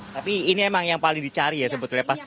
tapi ini emang yang paling dicari ya sebetulnya pas